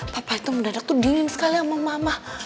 papa itu mendadak itu dingin sekali sama mama